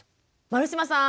丸島さん